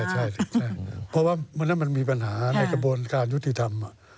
ใช่เพราะมันมีปัญหาในกระบวนการยุทธิธรรม